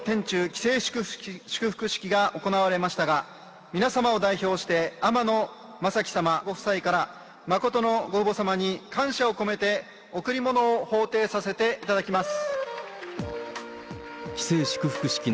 既成祝福式が行われましたが、皆様を代表して天野正基様ご夫妻から、真の御母様に感謝を込めて、贈り物をほう呈させていただきます。